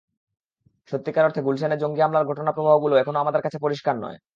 সত্যিকার অর্থে গুলশানে জঙ্গি হামলার ঘটনাপ্রবাহগুলো এখনো আমাদের কাছে পরিষ্কার নয়।